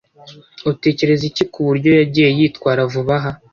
Utekereza iki ku buryo yagiye yitwara vuba aha?